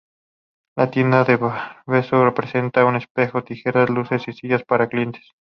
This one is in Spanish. La tienda de barbero presenta un espejo, tijeras, luces, y sillas para clientes.